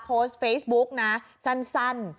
โพสต์เฟซบุ๊กนะสั้น